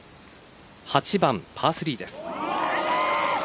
８番パー３です。